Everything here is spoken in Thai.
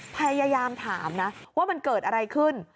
พยายามถามนะว่ามันเกิดอะไรขึ้น